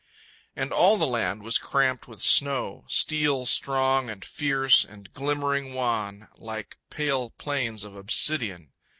And all the land was cramped with snow, Steel strong and fierce and glimmering wan, Like pale plains of obsidian.